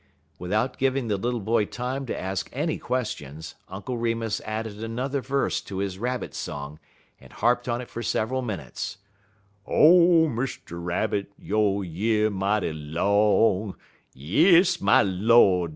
Without giving the little boy time to ask any questions, Uncle Remus added another verse to his Rabbit song, and harped on it for several minutes: "_O Mr. Rabbit! yo' year mighty long Yes, my Lord!